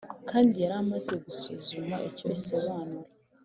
kandi yari amaze gusuzuma icyo isobanura.